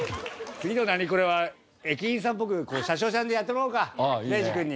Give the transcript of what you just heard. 次の「ナニコレ」は駅員さんっぽく車掌さんでやってもらおうか礼二君に。